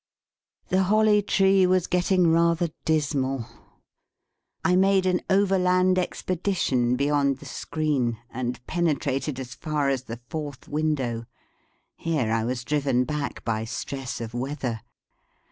The Holly Tree was getting rather dismal. I made an overland expedition beyond the screen, and penetrated as far as the fourth window. Here I was driven back by stress of weather.